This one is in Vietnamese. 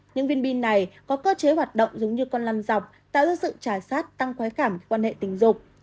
những viên bi này có cơ chế hoạt động giống như con lăn dọc tạo ra sự trải sát tăng khói cảm quan hệ tình dục